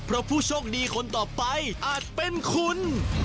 เพราะผู้โชคดีคนต่อไปอาจเป็นคุณ